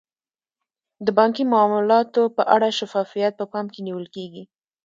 د بانکي معاملاتو په اړه شفافیت په پام کې نیول کیږي.